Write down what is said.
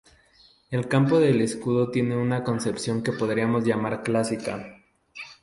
El campo del escudo tiene una concepción que podríamos llamar clásica.